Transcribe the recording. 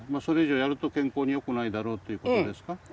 それ以上やると健康によくないだろうということですか？